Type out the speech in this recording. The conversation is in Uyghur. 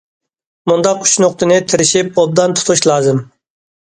مۇنداق ئۈچ نۇقتىنى تىرىشىپ ئوبدان تۇتۇش لازىم.